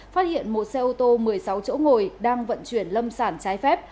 phát hiện một xe ô tô một mươi sáu chỗ ngồi đang vận chuyển lâm